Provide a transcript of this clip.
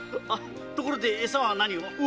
ところでエサは何を？